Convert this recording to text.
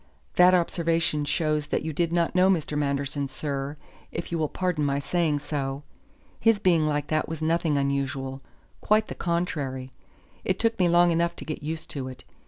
"That observation shows that you did not know Mr. Manderson, sir, if you will pardon my saying so. His being like that was nothing unusual; quite the contrary. It took me long enough to get used to it.